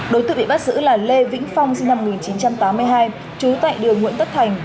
đối tượng bị bắt giữ là lê vĩnh phong sinh năm một nghìn chín trăm tám mươi hai trú tại đường nguyễn tất thành